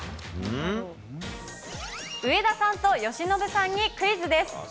上田さんと由伸さんにクイズです。